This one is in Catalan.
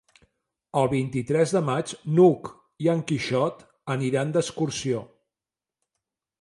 El vint-i-tres de maig n'Hug i en Quixot aniran d'excursió.